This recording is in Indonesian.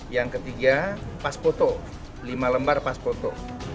yang ketiga pas foto lima lembar pas foto